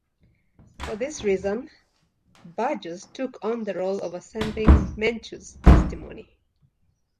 For this reason, Burgos took on the role of assembling Menchu's testimony.